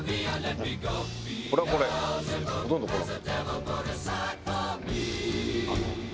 これはこれほとんどこの。